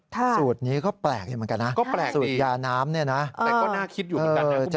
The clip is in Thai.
สูตรนี้ก็แปลกอยู่เหมือนกันนะก็แปลกสูตรยาน้ำเนี่ยนะแต่ก็น่าคิดอยู่เหมือนกันนะ